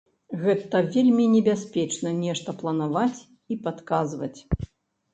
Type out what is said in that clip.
Гэта вельмі небяспечна нешта планаваць і падказваць.